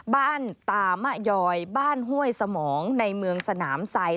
บ้านตามะยอยบ้านห้วยสมองในเมืองสนามไซด